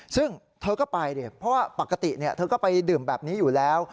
ซึ่งเธอก็ไปดิเพราะว่าปกติเธอก็ไปดื่มแบบนี้อยู่แล้ว